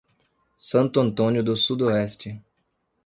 Santo Antônio do Sudoeste